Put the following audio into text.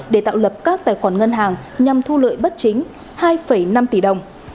để tạo lập các tài khoản ngân hàng nhằm thu lợi bất chính hai năm tỷ đồng